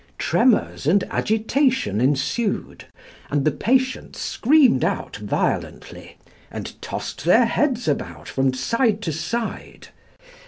Tremors and agitation ensued, and the patients screamed out violently, and tossed their heads about from side to side.